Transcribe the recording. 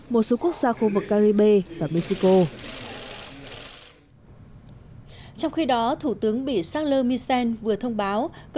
một số quốc gia khu vực caribe và mexico trong khi đó thủ tướng bỉ charles misen vừa thông báo